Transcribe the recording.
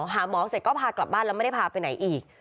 หาหมอเสร็จก็พากลับบ้านแล้วไม่ได้พาไปไหนอีก